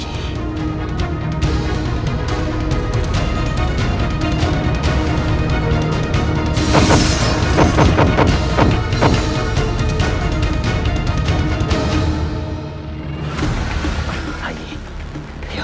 tapi engkau adalah dia yang nampak saya